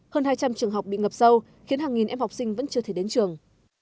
hơn hai trăm linh trường học bị ngập sâu khiến hàng nghìn em học sinh vẫn chưa thể đến trường